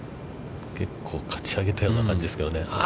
結構、かち上げたような感じですけどね。